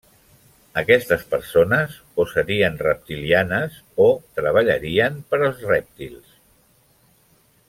Aquestes persones o serien reptilianes o treballarien per als rèptils.